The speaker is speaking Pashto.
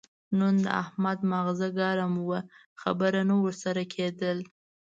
نن د احمد ماغزه ګرم ول؛ خبره نه ور سره کېده.